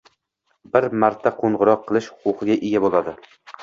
«bir marta qo‘ng‘iroq qilish» huquqiga ega bo‘ladi.